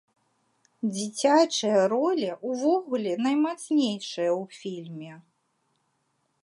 Дзіцячыя ролі, увогуле, наймацнейшыя ў фільме.